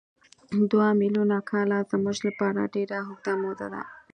دوه میلیونه کاله زموږ لپاره ډېره اوږده موده ده.